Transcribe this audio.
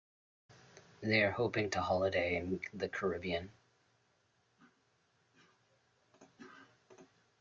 They are hoping to holiday in the Caribbean.